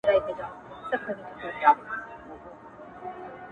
د تورو وریځو به غړومبی وي خو باران به نه وي.!